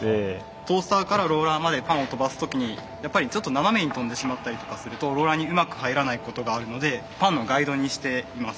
トースターからローラーまでパンを跳ばす時にやっぱりちょっと斜めに跳んでしまったりとかするとローラーにうまく入らないことがあるのでパンのガイドにしています。